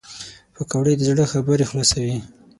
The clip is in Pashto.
پکورې د زړه خبرې خلاصوي